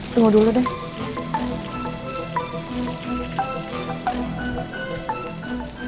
tunggu dulu deh